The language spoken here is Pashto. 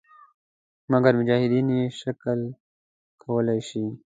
مګر مجاهدین یې شل کولای شي.